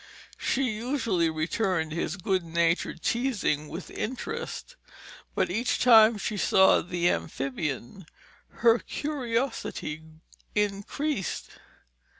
She usually returned his good natured teasing with interest, but each time she saw the amphibian, her curiosity increased.